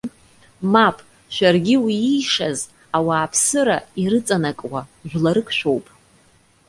Мап, шәаргьы уи иишаз ауааԥсыра ирыҵанакуа жәларык шәоуп.